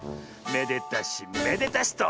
めでたしめでたし」と。